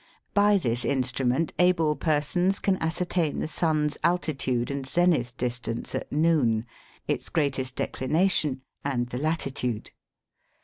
By this instrument able persons can ascertain the sun's altitude and zenith distance at noon, its greatest decli nation, and the latitude.